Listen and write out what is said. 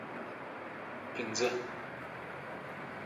In this case, the football match was postponed or canceled due to the storm.